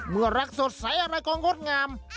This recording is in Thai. เมื่อรักสดใสอะไรก็งดงาม